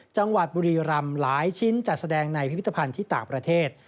จังหวัดบุรีรำหลายชิ้นจัดแสดงในพิพิธภัณฑ์ที่ต่างประเทศ